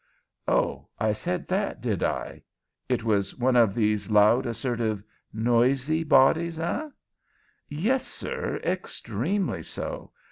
"Oh I said that, did I? It was one of these loud, assertive, noisy bodies, eh?" "Yes, sir, extremely so.